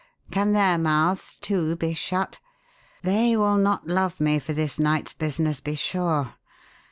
Can their mouths, too, be shut? They will not love me for this night's business, be sure.